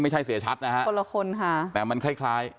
ไม่ใช่เสียชัดนะฮะคนละคนค่ะแต่มันคล้าย